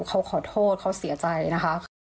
เขาขอโทษเขาเสียใจนะคะ